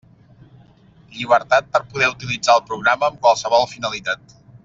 Llibertat per poder utilitzar el programa amb qualsevol finalitat.